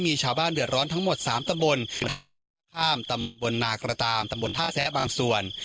มีชาวบ้านเดือดร้อนทั้งหมด๓ตำบลท่าข้ามตำบลนากระตามตำบลท่าแซะบางส่วน